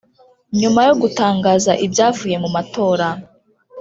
Nyuma yo gutangaza ibyavuye mu matora